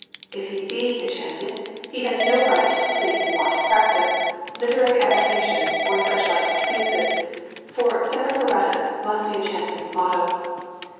If he be the champion, he has no right to plead "want of practice," "literary avocations," or such like excuses, for "semper paratus" must be a "champion's" motto.